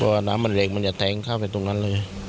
ว่าน้ำมันเร็งมันจะแทงเข้าไปตรงนั้นเลย